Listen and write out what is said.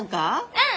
うん！